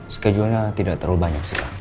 schedulernya tidak terlalu banyak sih